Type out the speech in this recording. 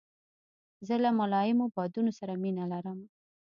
زه له ملایمو بادونو سره مینه لرم.